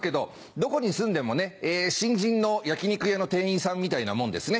どこに住んでも新人の焼き肉屋の店員さんみたいなもんですね。